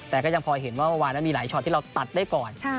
แต่ก็ยังพอเห็นว่าเมื่อวานนั้นมีหลายช็อตที่เราตัดได้ก่อน